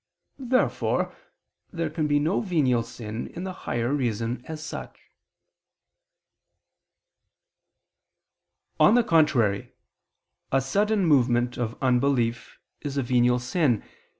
Therefore there can be no venial sin in the higher reason as such. On the contrary, A sudden movement of unbelief is a venial sin.